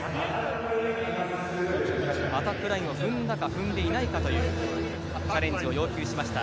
アタックラインを踏んだか踏んでいないかというチャレンジを要求しました。